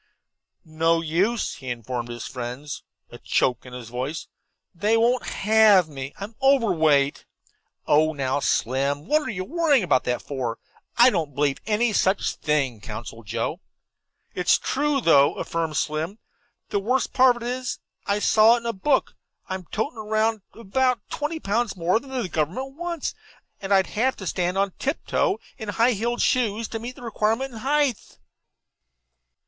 "No use," he informed his two friends, a choke in his voice. "They won't have me. I'm overweight." "Oh, now, Slim, what are you worrying about that for? I don't believe any such thing," counseled Joe. "It's true, though," affirmed Slim. "That's the worst part of it; I saw it in the book. I'm toting around about twenty pounds more than the government wants, and I'd have to stand on tiptoe in high heel shoes to meet the requirement in height."